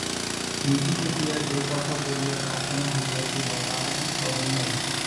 নিধিকে দিয়া যে কথা বলিয়া পাঠানো হইয়াছিল তাহা কি স্মরণ নাই!